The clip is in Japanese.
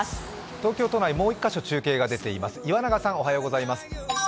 東京都内、もう一カ所中継が出ています。